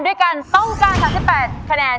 ด้วยกันต้องการ๓๘คะแนน